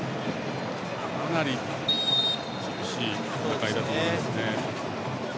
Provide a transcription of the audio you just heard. かなり厳しい戦いだと思います。